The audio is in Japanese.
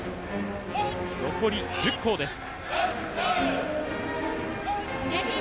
残り１０校です。